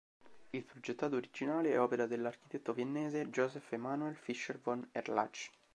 Il progettato originale è opera dell'architetto viennese Joseph Emanuel Fischer von Erlach.